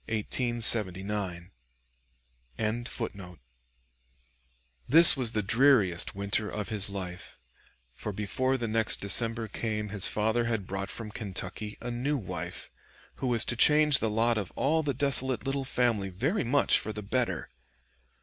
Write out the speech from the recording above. "] This was the dreariest winter of his life, for before the next December came his father had brought from Kentucky a new wife, who was to change the lot of all the desolate little family very much for the better.